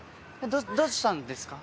どうしたんですか？